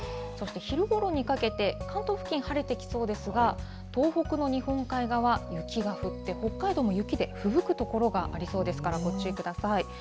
そして昼ごろにかけて、関東付近、晴れてきそうですが、東北の日本海側、雪が降って、北海道も雪でふぶく所がありそうですからご注意ください。